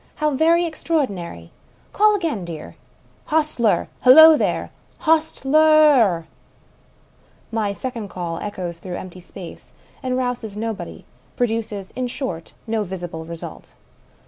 How very extraordinary I Call again, dear." "Hostler! Hullo, there! Hostler r r !" My second call echoes through empty space, and rouses nobody — produces, in short, no visible result.